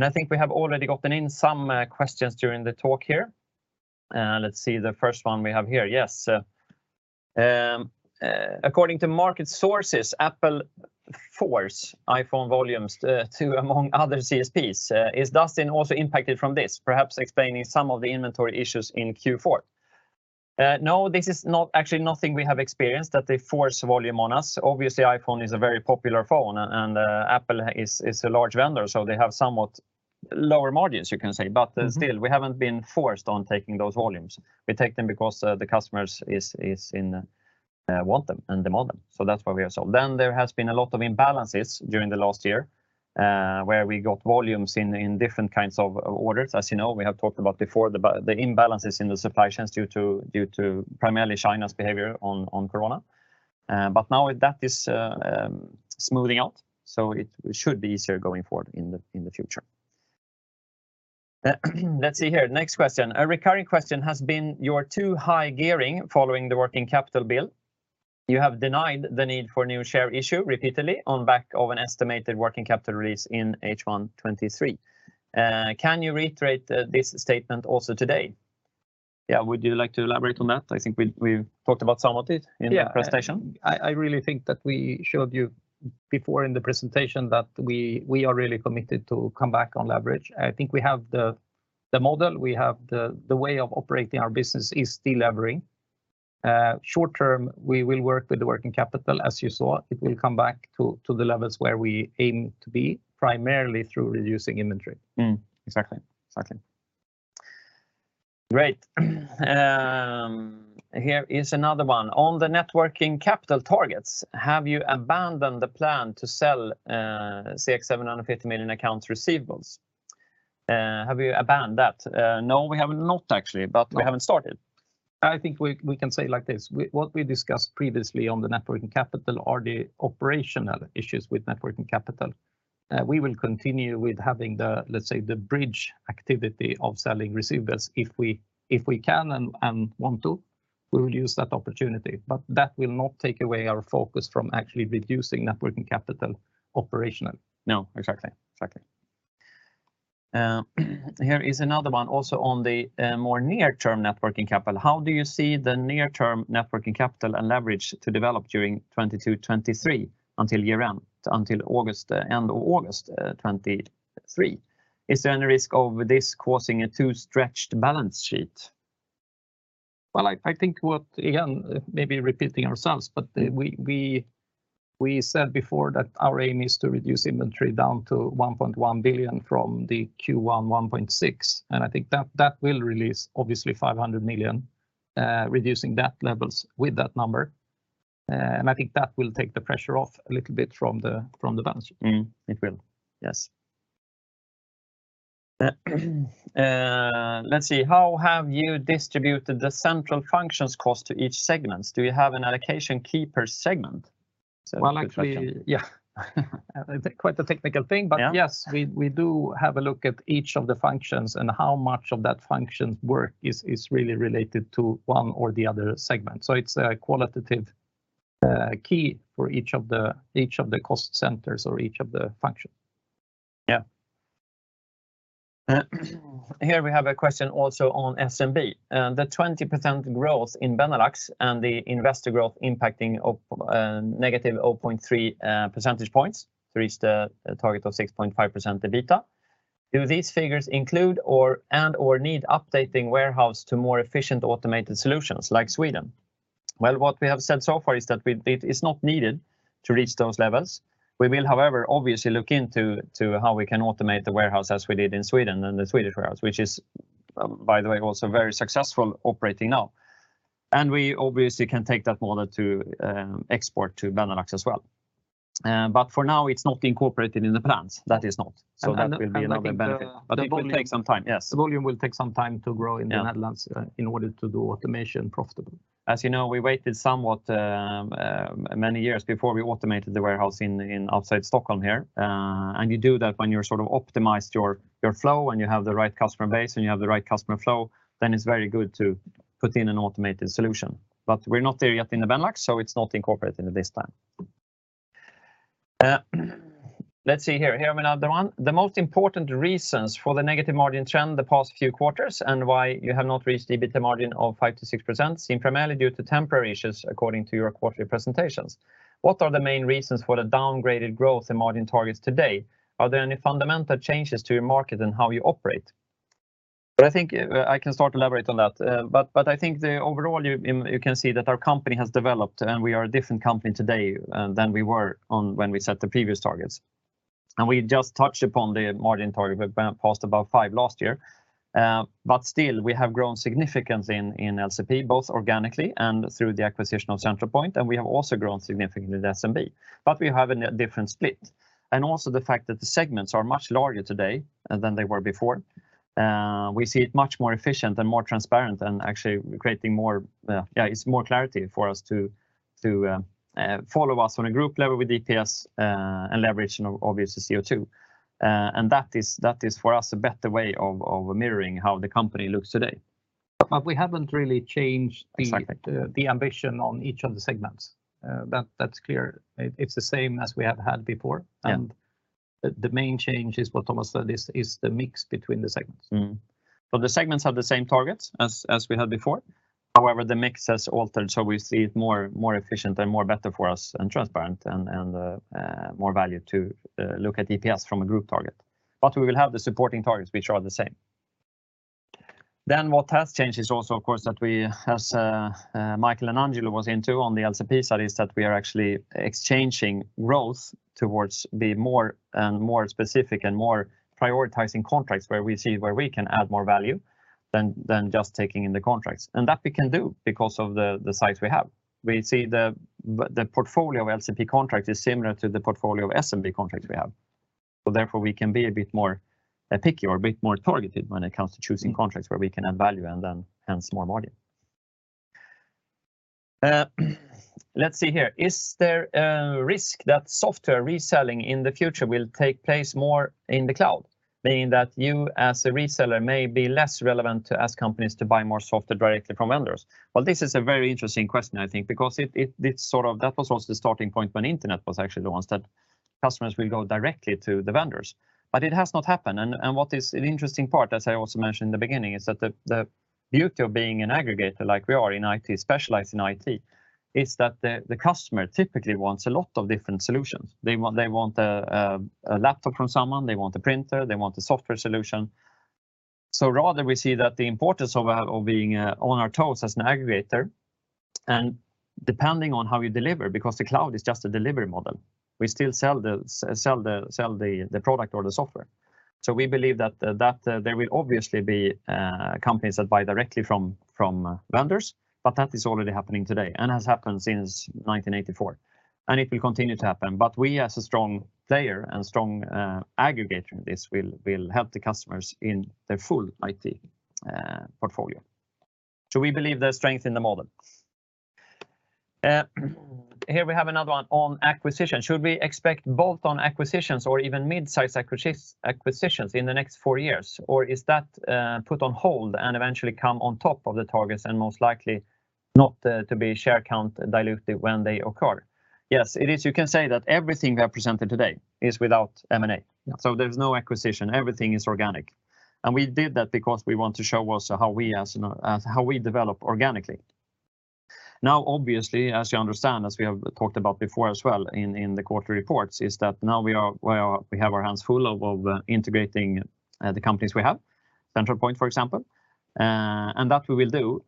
I think we have already gotten in some questions during the talk here. Let's see. The first one we have here. Yes. According to market sources, Apple force iPhone volumes to, among other CSPs. Is Dustin also impacted from this, perhaps explaining some of the inventory issues in Q4? No, this is actually nothing we have experienced that they force volume on us. Obviously iPhone is a very popular phone and Apple is a large vendor, so they have somewhat lower margins you can say— Mm-hmm —still, we haven't been forced on taking those volumes. We take them because the customers is in want them and they want them. That's why we have sold. There has been a lot of imbalances during the last year, where we got volumes in different kinds of orders. As you know, we have talked about before the imbalances in the supply chains due to primarily China's behavior on Corona. Now that is smoothing out, so it should be easier going forward in the future. Let's see here. Next question. A recurring question has been your too high gearing following the working capital bill. You have denied the need for new share issue repeatedly on back of an estimated working capital release in H1 2023. Can you reiterate this statement also today? Would you like to elaborate on that? I think we've talked about some of it— Yeah. —in the presentation. I really think that we showed you before in the presentation that we are really committed to come back on leverage. I think we have the model, we have the way of operating our business is deleveraging. Short term, we will work with the net working capital as you saw. It will come back to the levels where we aim to be primarily through reducing inventory. Exactly. Exactly. Great. Here is another one. On the net working capital targets, have you abandoned the plan to sell 750 million accounts receivables? Have you abandoned that? No, we have not actually— No. We haven't started. I think we can say like this, what we discussed previously on the net working capital are the operational issues with net working capital. We will continue with having the, let's say, the bridge activity of selling receivables. If we can and want to, we will use that opportunity. That will not take away our focus from actually reducing net working capital operational. No, exactly. Exactly. Here is another one also on the, more near term net working capital. How do you see the near term net working capital and leverage to develop during 2022, 2023 until year end, until August, end of August, 2023? Is there any risk of this causing a too stretched balance sheet? Well, I think what, again, maybe repeating ourselves, but we said before that our aim is to reduce inventory down to 1.1 billion from the Q1 1.6 billion, and I think that will release obviously 500 million, reducing debt levels with that number. I think that will take the pressure off a little bit from the balance sheet. Mm. It will. Yes. Let's see. How have you distributed the central functions cost to each segments? Do you have an allocation key per segment? Good question. Well, actually, yeah. Quite a technical thing. Yeah. Yes, we do have a look at each of the functions and how much of that function's work is really related to one or the other segment. It's a qualitative key for each of the cost centers or each of the function. Yeah. Here we have a question also on SMB. The 20% growth in Benelux and the investor growth impacting of -0.3 percentage points to reach the target of 6.5% EBITDA, do these figures include or, and/or need updating warehouse to more efficient automated solutions like Sweden? Well, what we have said so far is that it is not needed to reach those levels. We will, however, obviously look into how we can automate the warehouse as we did in Sweden, in the Swedish warehouse, which is, by the way, also very successful operating now. We obviously can take that model to export to Benelux as well. For now it's not incorporated in the plans. That is not. That will be another benefit. I think. It will take some time, yes. The volume will take some time to grow.— Yeah. —in the Netherlands in order to do automation profitable. As you know, we waited somewhat, many years before we automated the warehouse in outside Stockholm here. You do that when you're sort of optimized your flow, when you have the right customer base, and you have the right customer flow, then it's very good to put in an automated solution. We're not there yet in the Benelux, so it's not incorporated at this time. Let's see here. Here, we have another one. The most important reasons for the negative margin trend the past few quarters and why you have not reached EBITA margin of 5%-6% seem primarily due to temporary issues according to your quarterly presentations. What are the main reasons for the downgraded growth and margin targets today? Are there any fundamental changes to your market and how you operate? I think I can start to elaborate on that. I think the overall you can see that our company has developed, and we are a different company today than we were on when we set the previous targets. We just touched upon the margin target. We passed about 5% last year. Still, we have grown significance in LCP, both organically and through the acquisition of Centralpoint, and we have also grown significantly in SMB. We have a different split. Also the fact that the segments are much larger today than they were before, we see it much more efficient and more transparent and actually creating more clarity for us to follow us on a group level with DPS and leverage and obvious CO2. That is for us a better way of mirroring how the company looks today. We haven't really changed— Exactly. —the ambition on each of the segments. That's clear. It's the same as we have had before. Yeah. The main change is what Thomas said, is the mix between the segments. The segments have the same targets as we had before. However, the mix has altered, so we see it more efficient and more better for us and transparent and more value to look at DPS from a group target. We will have the supporting targets which are the same. What has changed is also, of course, that we as Michael and Angelo was into on the LCP studies that we are actually exchanging growth towards the more specific and more prioritizing contracts where we see where we can add more value than just taking in the contracts. That we can do because of the size we have. We see the portfolio of LCP contract is similar to the portfolio of SMB contracts we have. Therefore we can be a bit more picky or a bit more targeted when it comes to choosing contracts where we can add value and then hence more margin. Let's see here. Is there a risk that software reselling in the future will take place more in the cloud, meaning that you as a reseller may be less relevant to ask companies to buy more software directly from vendors? Well, this is a very interesting question, I think, because it sort of—that was also the starting point when internet was actually the ones that customers will go directly to the vendors. It has not happened, and what is an interesting part, as I also mentioned in the beginning, is that the beauty of being an aggregator like we are in IT, specialized in IT, is that the customer typically wants a lot of different solutions. They want a laptop from someone, they want a printer, they want a software solution. Rather we see that the importance of being on our toes as an aggregator, and depending on how you deliver, because the cloud is just a delivery model, we still sell the product or the software. We believe that there will obviously be companies that buy directly from vendors, but that is already happening today and has happened since 1984, and it will continue to happen. We as a strong player and strong aggregator in this will help the customers in their full IT portfolio. We believe there's strength in the model. Here we have another one on acquisition. Should we expect bolt-on acquisitions or even mid-size acquisitions in the next four years? Is that put on hold and eventually come on top of the targets and most likely not to be share count diluted when they occur? Yes, it is. You can say that everything we have presented today is without M&A. Yeah. There's no acquisition. Everything is organic. We did that because we want to show also how we develop organically. Obviously, as you understand, as we have talked about before as well in the quarterly reports, is that now we are, we have our hands full of integrating the companies we have, Centralpoint, for example. That we will do,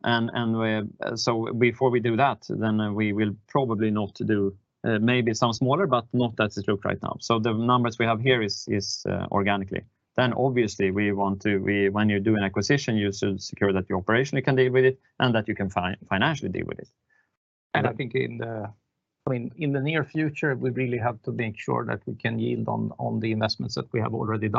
before we do that, we will probably not to do maybe some smaller, but not as it look right now. The numbers we have here is organically. Obviously we want to, when you do an acquisition, you should secure that you operationally can deal with it and that you can financially deal with it. I think in the, I mean, in the near future, we really have to make sure that we can yield on the investments that we have already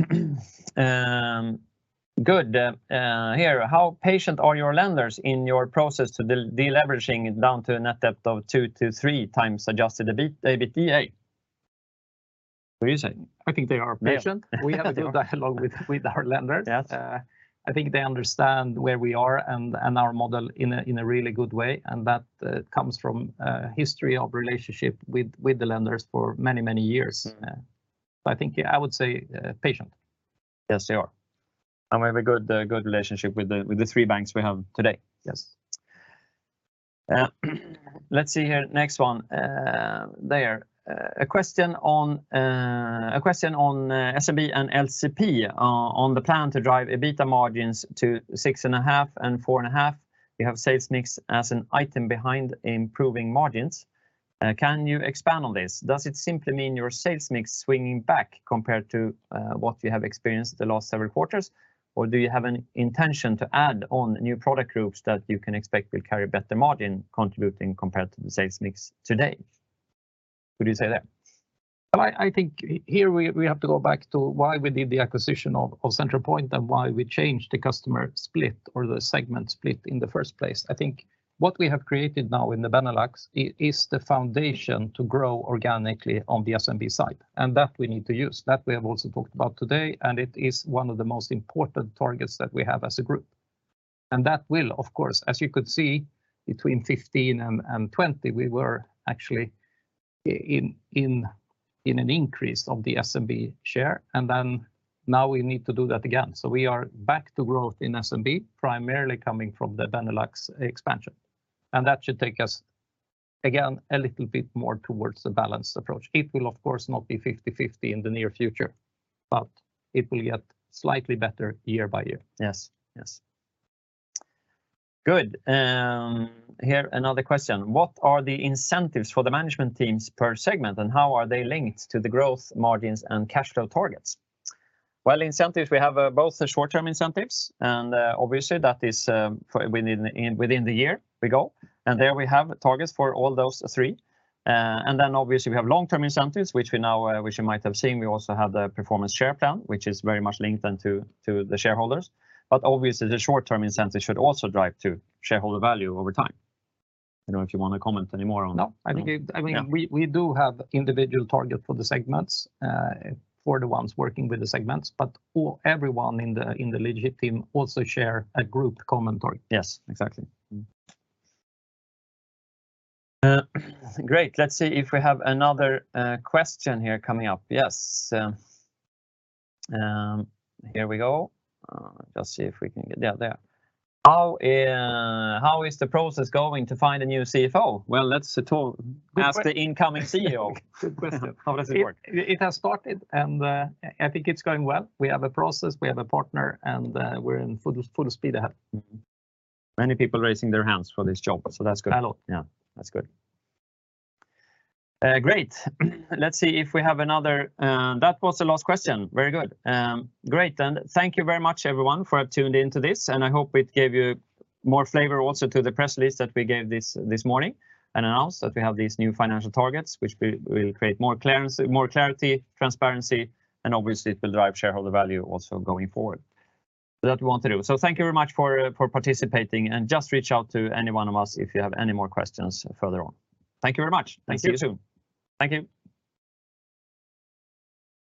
done. Yeah. That is the key priority at the moment. Yes. Yes. good. here, how patient are your lenders in your process to deleveraging down to a net debt of 2x-3x adjusted EBITA? What are you saying? I think they are patient. Yeah. We have a good dialogue with our lenders. Yes. I think they understand where we are and our model in a really good way, and that comes from a history of relationship with the lenders for many, many years. Mm-hmm. I think, yeah, I would say, patient. Yes, they are. We have a good relationship with the, with the three banks we have today. Yes. Let's see here. Next one. There. A question on SMB and LCP, on the plan to drive EBITA margins to 6.5% and 4.5%. You have sales mix as an item behind improving margins. Can you expand on this? Does it simply mean your sales mix swinging back compared to what you have experienced the last several quarters? Do you have an intention to add on new product groups that you can expect will carry better margin contributing compared to the sales mix today? What do you say there? I think here we have to go back to why we did the acquisition of Centralpoint and why we changed the customer split or the segment split in the first place. I think what we have created now in the Benelux is the foundation to grow organically on the SMB side. That we need to use. That we have also talked about today. It is one of the most important targets that we have as a group. That will of course, as you could see, between 2015 and 2020, we were actually in an increase of the SMB share. Now we need to do that again. We are back to growth in SMB, primarily coming from the Benelux expansion. That should take us, again, a little bit more towards the balanced approach. It will of course not be 50/50 in the near future, but it will get slightly better year by year. Yes. Yes. Good. Here another question. What are the incentives for the management teams per segment, and how are they linked to the growth margins and cash flow targets? Well, incentives, we have both the short-term incentives and obviously that is for within the year we go, and there we have targets for all those three. Obviously we have long-term incentives, which we now, which you might have seen, we also have the performance share plan, which is very much linked into the shareholders. Obviously the short-term incentive should also drive to shareholder value over time. I don't know if you wanna comment anymore on that. No. I think. No? Yeah. I mean, we do have individual target for the segments, for the ones working with the segments, but everyone in the leadership team also share a group common target. Yes. Exactly. Great. Let's see if we have another question here coming up. Yes. Here we go. Just see if we can get—yeah, there. How is the process going to find a new CFO? Well, let's talk— Good que- —ask the incoming CEO. Good question. How does it work? It has started, and I think it's going well. We have a process, we have a partner, and we're in full speed ahead. Many people raising their hands for this job, so that's good. A lot. Yeah. That's good. Great. Let's see if we have another. That was the last question. Very good. Great. Thank you very much everyone for tuning into this, and I hope it gave you more flavor also to the press release that we gave this morning and announced that we have these new financial targets, which we will create more clearance, more clarity, transparency, and obviously it will drive shareholder value also going forward. That we want to do. Thank you very much for participating, and just reach out to any one of us if you have any more questions further on. Thank you very much. Thanks. See you soon. Thank you.